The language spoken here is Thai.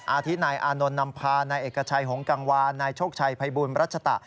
ที่นายอานนท์นำพานายเอกชัยหงกังวานนายโชคชัยภัยบูลรัชตะ